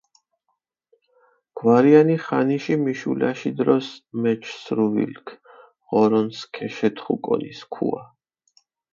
გვარიანი ხანიში მიშულაში დროს, მეჩჷ სრუვილქ, ღორონს ქეშეთხუკონი სქუა.